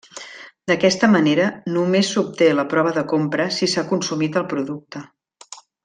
D'aquesta manera, només s'obté la prova de compra si s'ha consumit el producte.